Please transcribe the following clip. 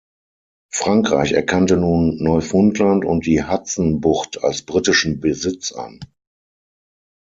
Frankreich erkannte nun Neufundland und die Hudson-Bucht als britischen Besitz an.